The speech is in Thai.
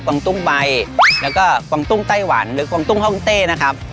วังตุ้งใบแล้วก็กวางตุ้งไต้หวันหรือกวางตุ้งห้องเต้นะครับ